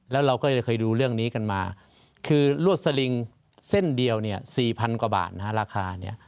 แล้วเราก็ได้ค่อยดูเรื่องนี้กันมาคือรวดสลิงเส้นเดียว๔๐๐๐กว่าบาทราคา